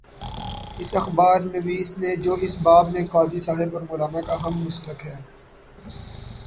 اس اخبار نویس نے جو اس باب میں قاضی صاحب اور مو لانا کا ہم مسلک ہے۔